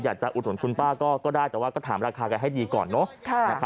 อุดหนุนคุณป้าก็ได้แต่ว่าก็ถามราคากันให้ดีก่อนเนอะ